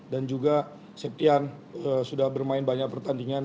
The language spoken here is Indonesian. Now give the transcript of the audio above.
dan juga septian sudah bermain banyak pertandingan